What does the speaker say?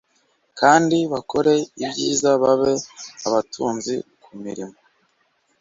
kandi bakore ibyiza babe abatunzi ku mirimo.